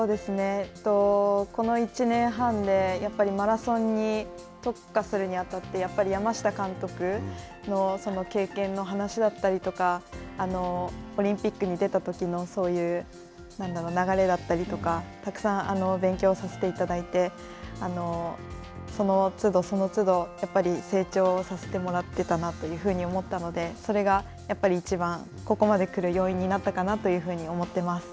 この１年半でやっぱりマラソンに特化するに当たって、やっぱり山下監督の経験の話だったりとか、オリンピックに出たときの流れだったりとか、たくさん勉強させていただいて、そのつど、そのつど、やっぱり成長させてもらってたなというふうに思ったので、それがやっぱりいちばんここまで来る要因になったかなというふうに思ってます。